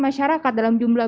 masyarakat dalam jumlah